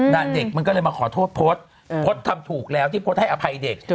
นั่นเด็กมันก็เลยมาขอโทษพลตพลตทำถูกแล้วที่พลตให้อภัยเด็ก